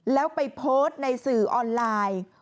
แล้วไปโพสต์ในสื่อออนไลน์